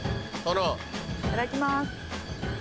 いただきます。